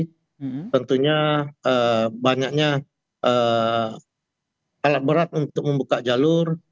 jadi tentunya banyaknya alat berat untuk membuka jalur